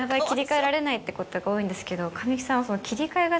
ってことが多いんですけど神木さんはその。